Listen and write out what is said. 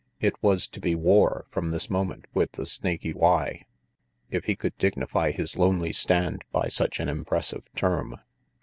It was to be war from this moment with the Snaky Y if he could dignify his lonely stand by such an impressive term.